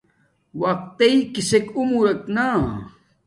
وقت تݵ کسک عمرک نا